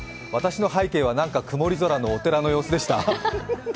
私の背景はなんか曇り空のお寺でした。